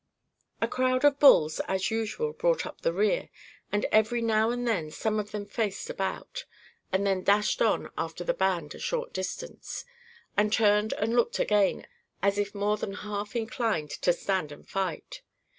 "A crowd of bulls, as usual, brought up the rear, and every now and then some of them faced about, and then dashed on after the band a short distance, and turned and looked again, as if more than half inclined to stand and fight.